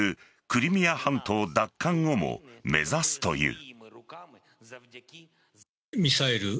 クリミア半島奪還をも目指すという。